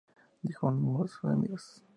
Dijo uno de sus amigos.